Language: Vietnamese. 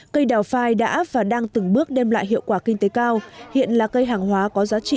cây đào phai đã và đang từng bước đem lại hiệu quả kinh tế cao hiện là cây hàng hóa có giá trị